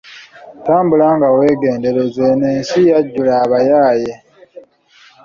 Tambula nga weegendereza eno ensi yajjula abayaaye.